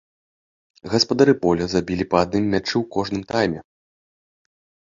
Гаспадары поля забілі па адным мячы ў кожным тайме.